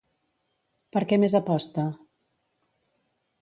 Per què més aposta?